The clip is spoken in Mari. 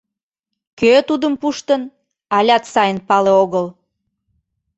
Кӧ тудым пуштын, алят сайын пале огыл.